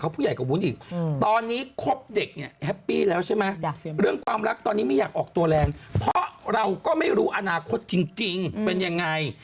พูดจริงเป็นยังไง